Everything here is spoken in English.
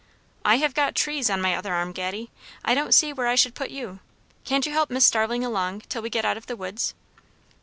"I have got trees on my other arm, Gatty I don't see where I should put you. Can't you help Miss Starling along, till we get out of the woods?"